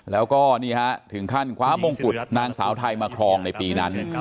แล้วก็นี่ฮะถึงขั้นคว้ามงกุฎนางสาวไทยมาครองในปีนั้น